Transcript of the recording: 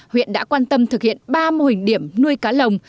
huyện đã quan tâm thực hiện ba mô hình điểm nuôi cá lồng